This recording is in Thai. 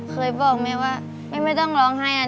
เคยบอกแม่ว่าไม่ต้องร้องไห้นะ